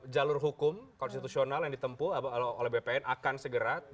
jalur hukum konstitusional yang ditempuh oleh bpn akan segera